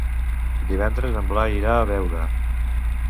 Divendres en Blai irà a Beuda.